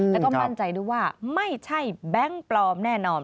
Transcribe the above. แล้วก็มั่นใจด้วยว่าไม่ใช่แบงค์ปลอมแน่นอน